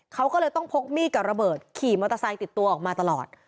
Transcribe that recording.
เขาก็เลยต้องพกมีดกับระเบิดขี่มอเตอร์ไซค์ติดตัวออกมาตลอด